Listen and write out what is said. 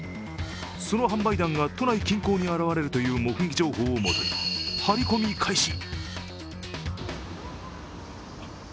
その販売団が都内近郊に現れるという目撃情報をもとにハリコミ開始。